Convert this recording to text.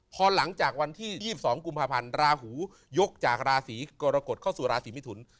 พอหลังจากวันที่๒๒กุมภาพันธ์ราหูยกจากราศีกรกฎเข้าสู่ราศีมิถุน